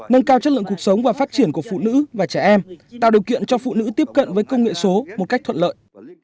nâng cao chất lượng cuộc sống và phát triển của phụ nữ và trẻ em tạo điều kiện cho phụ nữ tiếp cận với công nghệ số một cách thuận lợi